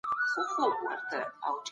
نورو ته تاوان رسول جواز نه لري.